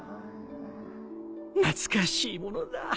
懐かしいものだ。